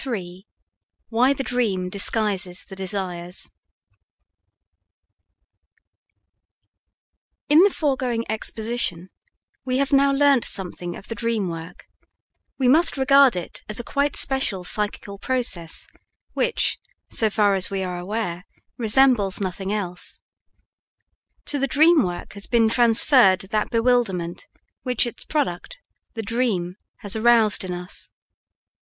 III WHY THE DREAM DISGUISES THE DESIRES In the foregoing exposition we have now learnt something of the dream work; we must regard it as a quite special psychical process, which, so far as we are aware, resembles nothing else. To the dream work has been transferred that bewilderment which its product, the dream, has aroused in us.